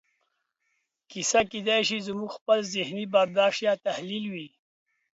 کیسه کېدای شي زموږ خپل ذهني برداشت یا تخیل وي.